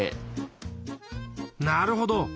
なるほど。